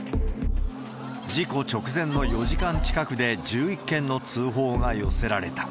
事故直前の４時間近くで１１件の通報が寄せられた。